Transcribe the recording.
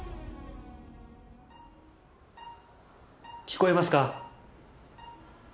聞こえますか？